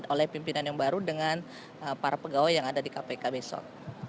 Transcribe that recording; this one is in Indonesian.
oleh pimpinan yang baru dengan para pegawai yang ada di kpk besok